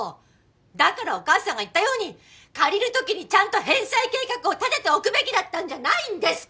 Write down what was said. だからお母さんが言ったように借りるときにちゃんと返済計画を立てておくべきだったんじゃないんですか！？